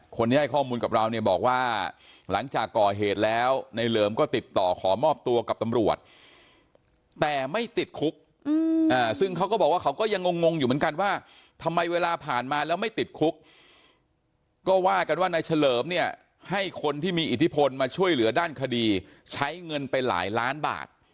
คนที่ให้ข้อมูลกับเราเนี่ยบอกว่าหลังจากก่อเหตุแล้วในเหลิมก็ติดต่อขอมอบตัวกับตำรวจแต่ไม่ติดคุกซึ่งเขาก็บอกว่าเขาก็ยังงงอยู่เหมือนกันว่าทำไมเวลาผ่านมาแล้วไม่ติดคุกก็ว่ากันว่านายเฉลิมเนี่ยให้คนที่มีอิทธิพลมาช่วยเหลือด้านคดีใช้เงินไปหลายล้านบาท